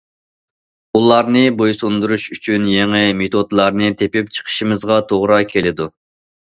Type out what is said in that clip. ئۇلارنى بويسۇندۇرۇش ئۈچۈن يېڭى مېتودلارنى تېپىپ چىقىشىمىزغا توغرا كېلىدۇ.